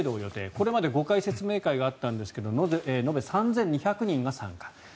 これまで５回説明会があったんですが延べ３２００人が参加。